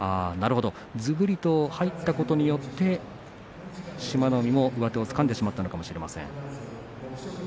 ずぶりと入ったことによって志摩ノ海も上手をつかんでしまったのかもしれません。